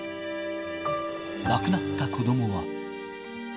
亡くなった子どもは。